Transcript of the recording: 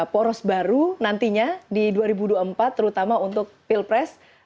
poros baru nantinya di dua ribu dua puluh empat terutama untuk pilpres